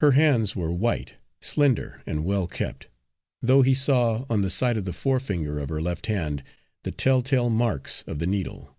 Her hands were white, slender and well kept, though he saw on the side of the forefinger of her left hand the telltale marks of the needle.